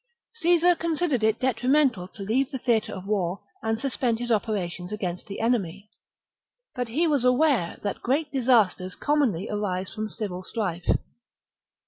Caesar considered it detrimental to leave the theatre of war and suspend his operations against the enemy ; but he was aware that great disasters commonly arise from civil strife.